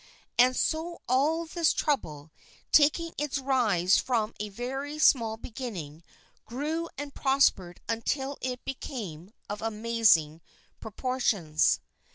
And so all this trouble, taking its rise from a very small beginning, grew and prospered until it became of amazing proportions.